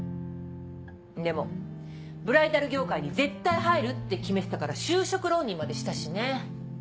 でもブライダル業界に絶対入るって決めてたから就職浪人までしたしね。